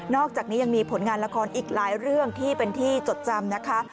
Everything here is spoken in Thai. อกจากนี้ยังมีผลงานละครอีกหลายเรื่องที่เป็นที่จดจำนะคะ